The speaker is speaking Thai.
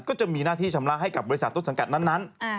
ก็จะมีหน้าที่ชำระให้กับบริษัทต้นสังกัดนั้น